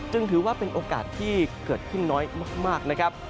ถือว่าเป็นโอกาสที่เกิดขึ้นน้อยมากนะครับ